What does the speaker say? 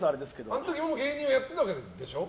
あの時も芸人はやってたわけでしょ？